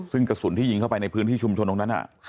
ซึ่งกระสุนที่ยิงเข้าไปในพื้นที่ชุมชนตรงนั้น